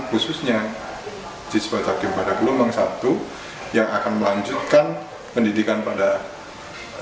khususnya siswa cakim pada gelombang satu yang akan melanjutkan pendidikan pada s dua